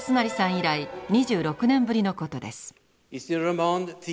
以来２６年ぶりのことです。